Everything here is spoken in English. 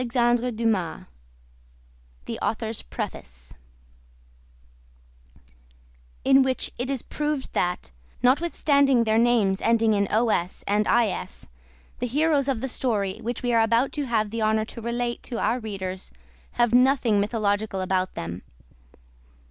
CONCLUSION EPILOGUE AUTHOR'S PREFACE In which it is proved that, notwithstanding their names' ending in os and is, the heroes of the story which we are about to have the honor to relate to our readers have nothing mythological about them.